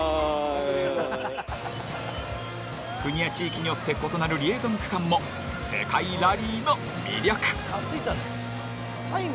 国や地域によって異なるリエゾン区間も世界ラリーの魅力。